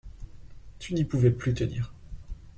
Tu n'y pouvais plus tenir!